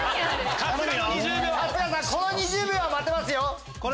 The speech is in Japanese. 春日さんこの２０秒は待てますよ。